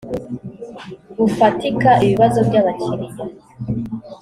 bufatika ibibazo by abakiriya